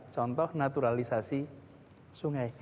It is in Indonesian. contoh naturalisasi sungai